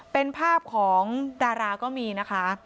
เป็นภาพของดาราก็มีนะคะ